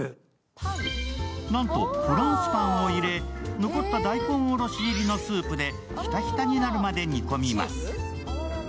なんとフランスパンを入れ、残った大根おろし入りのスープでヒタヒタになるまで煮込みます。